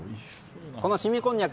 この凍みこんにゃく